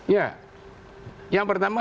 ya yang pertama